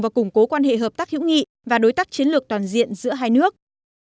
và củng cố quan hệ hợp tác hữu nghị và đối tác chiến lược toàn diện giữa hai nước